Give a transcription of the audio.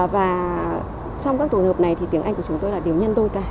và trong các tổ hợp này thì tiếng anh của chúng tôi là điều nhân đôi cả